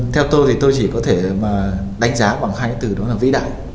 theo tôi thì tôi chỉ có thể đánh giá bằng hai cái từ đó là vĩ đại